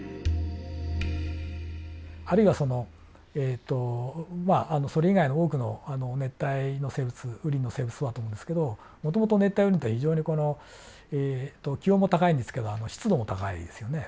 あるいはそのえっとまあそれ以外の多くの熱帯の生物雨林の生物そうだと思うんですけどもともと熱帯雨林っていうのは非常にこの気温も高いんですけど湿度も高いですよね。